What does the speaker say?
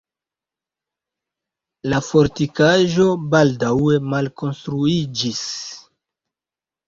La fortikaĵo baldaŭe malkonstruiĝis.